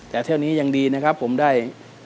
แต่เที่ยวนี้ยังดีนะครับผมได้